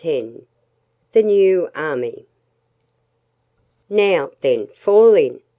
X The New Army "Now, then fall in!"